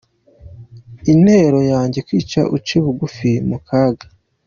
Intero yange kwica, uce bugufi mukaga,.